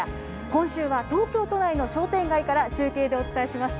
今週は東京都内の商店街から、中継でお伝えします。